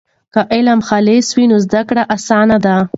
که علم خالص وي نو زده کړه اسانه ده.